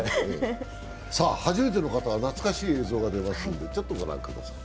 初めての方は懐かしい映像が出ますのでちょっと御覧ください。